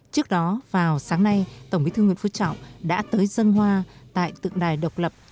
trước đó vào sáng nay tổng bí thư nguyễn phú trọng đã tới dân hoa tại tượng đài độc lập